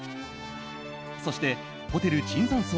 そして、ホテル椿山荘